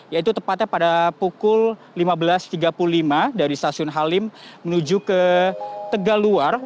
yaitu tepatnya pada pukul lima belas tiga puluh lima dari stasiun halim menuju ke tegaluar